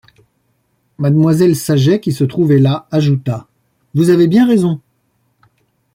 Mademoiselle Saget, qui se trouvait là, ajouta: — Vous avez bien raison.